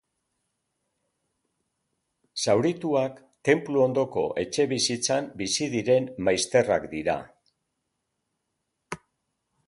Zaurituak tenplu ondoko etxebizitzan bizi diren maizterrak dira.